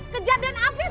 kejar dan afif